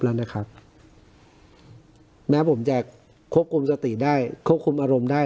แล้วนะครับแม้ผมจะควบคุมสติได้ควบคุมอารมณ์ได้